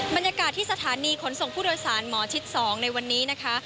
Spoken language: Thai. บรรยากาศที่สถานีขนส่งผู้โดยสารหมอชิด๒ในวันนี้นะคะ